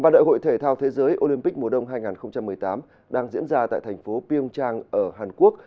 đại hội thể thao thế giới olympic mùa đông hai nghìn một mươi tám đang diễn ra tại thành phố pyeongchang ở hàn quốc